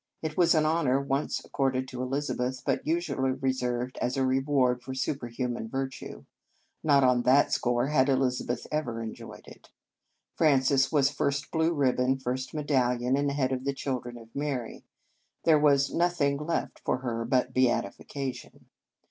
It was an honour once accorded to Elizabeth, but usually reserved as a reward for superhuman virtue. Not on that score had Elizabeth ever enjoyed it. Frances was first blue ribbon, first medallion, and head of the Children of Mary. There was no thing left for her but beatification.